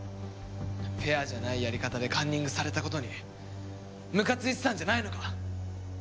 フェアじゃないやり方でカンニングされた事にむかついてたんじゃないのか？